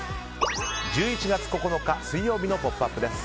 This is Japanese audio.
１１月９日、水曜日の「ポップＵＰ！」です。